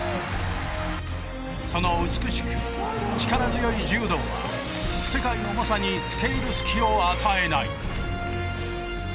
その美しく力強い柔道は世界の猛者に付け入る隙を与えない。